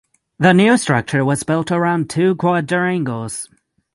The new structure was built around two quadrangles.